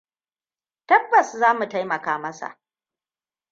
Tabbas za mu taimaka masa.